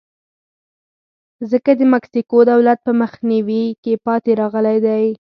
ځکه د مکسیکو دولت په مخنیوي کې پاتې راغلی دی.